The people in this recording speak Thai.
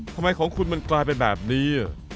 ทำไมของคุณมันกลายเป็นแบบนี้